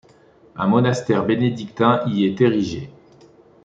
Un monastère bénédictin y est érigé.